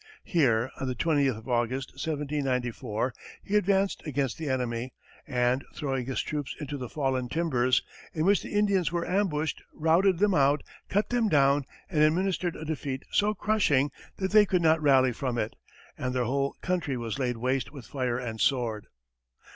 Here, on the twentieth of August, 1794, he advanced against the enemy, and, throwing his troops into the "Fallen Timbers," in which the Indians were ambushed, routed them out, cut them down, and administered a defeat so crushing that they could not rally from it, and their whole country was laid waste with fire and sword.